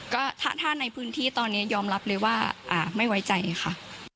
ก็ถ้าในพื้นที่ตอนนี้ยอมรับเลยว่าไม่ไว้ใจค่ะ